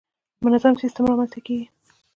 منظم سیستم رامنځته کېږي.